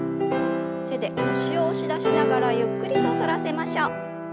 手で腰を押し出しながらゆっくりと反らせましょう。